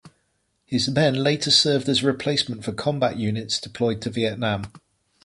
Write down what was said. His men later served as replacement for combat units deployed to Vietnam.